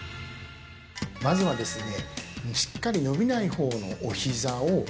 まずはですね